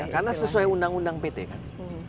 karena sesuai undang undang pt kan